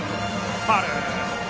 ファウル！